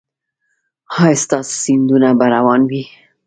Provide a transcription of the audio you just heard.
ایا ستاسو سیندونه به روان وي؟